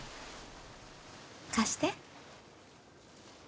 貸して。